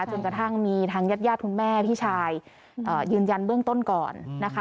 จนกระทั่งมีทางญาติญาติคุณแม่พี่ชายยืนยันเบื้องต้นก่อนนะคะ